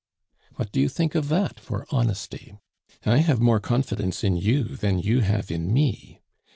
What do you think of that for honesty? I have more confidence in you than you have in me.